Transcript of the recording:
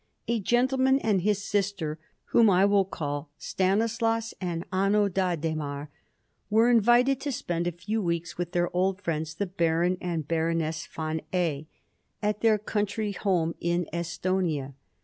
A gentleman and his sister, whom I will call Stanislaus and Anno D'Adhemar, were invited to spend a few weeks with their old friends, the Baron and Baroness Von A , at their country home in Estonia.